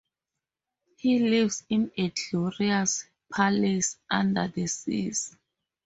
He lives in a glorious palace under the seas.